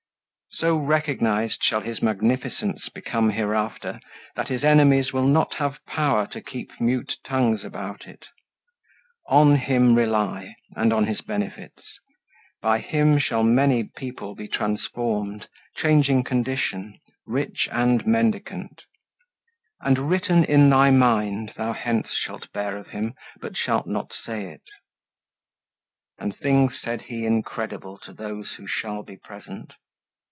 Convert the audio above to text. So recognized shall his magnificence Become hereafter, that his enemies Will not have power to keep mute tongues about it. On him rely, and on his benefits; By him shall many people be transformed, Changing condition rich and mendicant; And written in thy mind thou hence shalt bear Of him, but shalt not say it"—and things said he Incredible to those who shall be present.